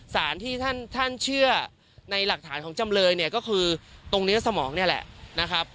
สารที่ท่านเชื่อในหลักฐานของจำเลยเนี่ยก็คือตรงเนื้อสมองนี่แหละนะครับ